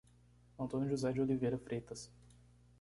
Antônio José de Oliveira Freitas